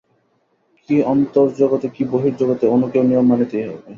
কি অন্তর্জগতে, কি বহির্জগতে অণুকেও নিয়ম মানিতেই হইবে।